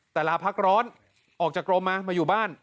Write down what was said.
แต่ลาพักร้อนออกจากกรมมามาอยู่บ้าน